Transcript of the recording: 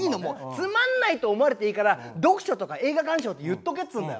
つまんないと思われていいから「読書」とか「映画鑑賞」って言っとけっつうんだよ。